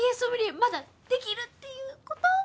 まだできるっていうこと？